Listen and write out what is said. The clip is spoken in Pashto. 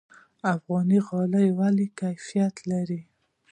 افغاني غالۍ ولې کیفیت لري؟